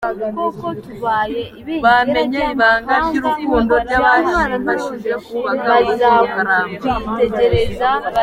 Bamenye ibanga ry’urukundo rya bafashije kubaka urugo rukaramba….